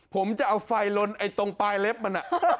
ผมจะเอาไฟลนตรงปลายเล็บมัน